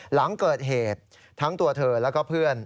หลังเกิดเหตุทั้งตัวเธอแล้วก็เพื่อน